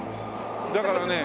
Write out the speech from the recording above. だからね